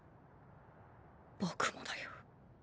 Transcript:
僕もだよ。